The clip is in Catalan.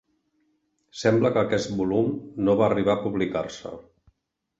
Sembla que aquest volum no va arribar a publicar-se.